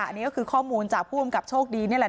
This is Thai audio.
อันนี้ก็คือข้อมูลจากผู้กำกับโชคดีนี่แหละ